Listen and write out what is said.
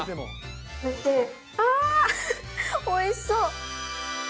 おいしそう。